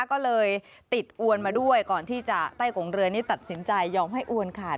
ก็เลยติดอวนมาด้วยก่อนที่จะไต้กงเรือนี้ตัดสินใจยอมให้อวนขาด